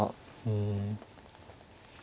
うん。